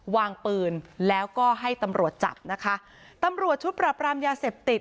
วางปืนแล้วก็ให้ตำรวจจับนะคะตำรวจชุดปรับรามยาเสพติด